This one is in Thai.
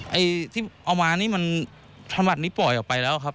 ไอ้ที่เอามานี่มันทำบัตรนี้ปล่อยออกไปแล้วครับ